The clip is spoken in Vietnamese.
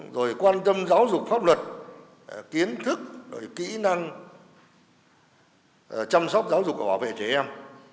rồi quan tâm giáo dục pháp luật kiến thức rồi kỹ năng chăm sóc giáo dục và bảo vệ trẻ em